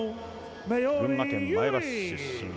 群馬県前橋市出身。